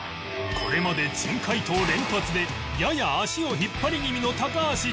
これまで珍解答連発でやや足を引っ張り気味の高橋だが